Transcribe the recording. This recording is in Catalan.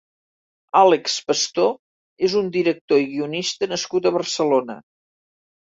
Àlex Pastor és un director i guionista nascut a Barcelona.